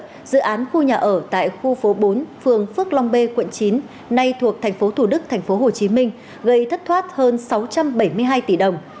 dự án khu nhà ở tại khu phố bốn phường phước long b quận chín nay thuộc tp thủ đức tp hcm gây thất thoát hơn sáu trăm bảy mươi hai tỷ đồng